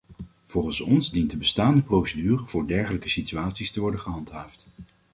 Volgens ons dient de bestaande procedure voor dergelijke situaties te worden gehandhaafd.